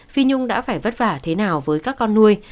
phi nhung đã phải vất vả thế nào với các con nuôi